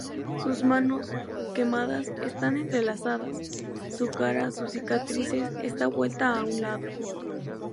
Sus manos, quemadas, están entrelazadas; su cara, con cicatrices, está vuelta a un lado.